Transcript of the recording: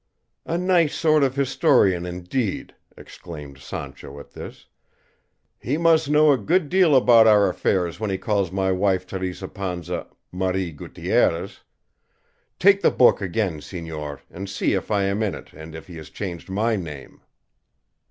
"A nice sort of historian, indeed!" exclaimed Sancho at this; "he must know a deal about our affairs when he calls my wife Teresa Panza, Mari Gutierrez; take the book again, señor, and see if I am in it and if he has changed my name."